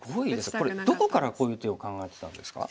これどこからこういう手を考えてたんですか？